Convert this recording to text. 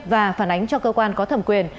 và phản ánh cho cơ quan có thẩm quyền